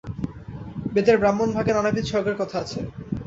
বেদের ব্রাহ্মণভাগে নানাবিধ স্বর্গের কথা আছে।